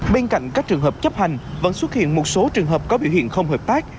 bên cạnh các trường hợp chấp hành vẫn xuất hiện một số trường hợp có biểu hiện không hợp tác